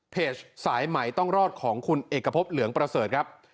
เพจสายใหม่ต้องรอดของคุณเอกพบเหลืองประเสริฐครับ